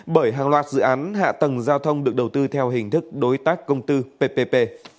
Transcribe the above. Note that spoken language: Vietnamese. bởi hàng loạt dự án hạ tầng giao thông được đầu tư theo hình thức đối tác công tư ppp